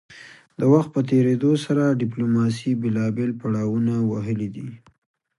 د وخت په تیریدو سره ډیپلوماسي بیلابیل پړاونه وهلي دي